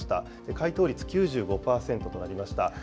回答率９５％となりました。